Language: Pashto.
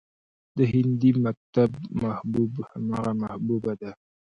د هندي مکتب محبوب همغه محبوبه ده